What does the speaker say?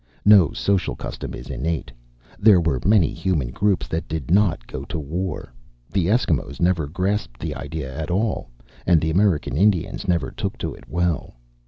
No social custom is innate. There were many human groups that did not go to war; the Eskimos never grasped the idea at all, and the American Indians never took to it well.